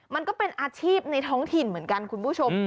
มันก็เป็นอาชีพในท้องถิ่นเหมือนกันคุณผู้ชม